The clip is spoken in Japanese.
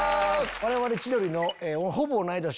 我々千鳥のほぼ同い年。